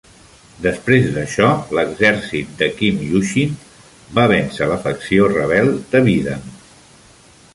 Després d'això, l'exèrcit de Kim Yushin va vèncer la facció rebel de Bidam.